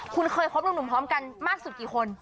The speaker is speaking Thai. คุณเคยคบหนุ่มพร้อมกันมากสุดกี่คน